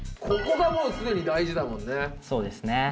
ここがもうすでに大事だもんね。